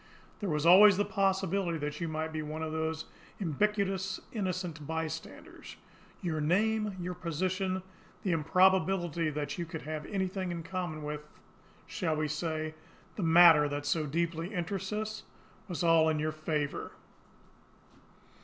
There was always the possibility that you might be one of those ubiquitous 'innocent bystanders.' Your name, your position, the improbability that you could have anything in common with shall we say, the matter that so deeply interests us? was all in your favour.